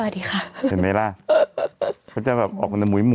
ดีค่ะเห็นไหมล่ะเขาจะแบบออกมาแต่มุยหมวย